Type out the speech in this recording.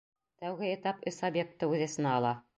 Тәүге этап өс объектты үҙ эсенә ала.